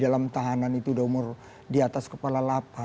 dalam tahanan itu udah umur di atas kepala delapan